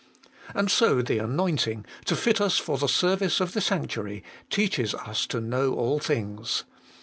And so the anointing, to fit us for the service of the sanctuary, teaches us to know all things.